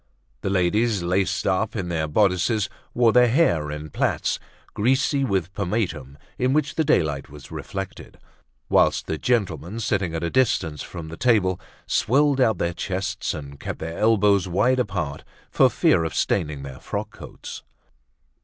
The ladies, laced up in their bodices, wore their hair in plaits greasy with pomatum in which the daylight was reflected; whilst the gentlemen, sitting at a distance from the table, swelled out their chests and kept their elbows wide apart for fear of staining their frock coats.